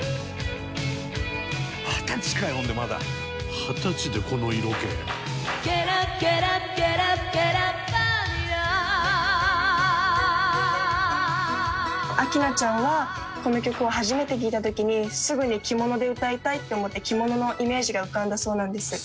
「二十歳でこの色気」「明菜ちゃんはこの曲を初めて聴いた時にすぐに着物で歌いたいって思って着物のイメージが浮かんだそうなんです」